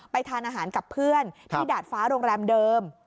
ทานอาหารกับเพื่อนที่ดาดฟ้าโรงแรมเดิม